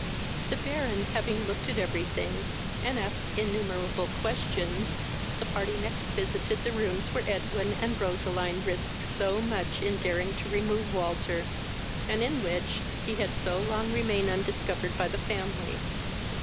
The Baron, having looked at every thing, and asked innumerable questions, the party next visited the rooms where Edwin and Roseline risked so much in daring to remove Walter, and in which he had so long remained undiscovered by the family.